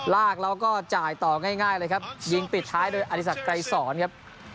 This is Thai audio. ลากแล้วก็จ่ายต่อง่ายเลยครับยิงปิดท้ายโดยอธิสักไกรสอนครับ